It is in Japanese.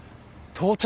到着。